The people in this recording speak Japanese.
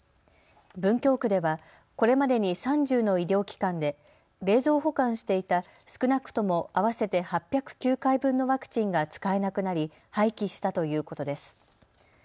文京区ではこれまでに３０の医療機関で冷蔵保管していた少なくとも合わせて８０９回分のワクチンが使えなくなり廃棄したということです。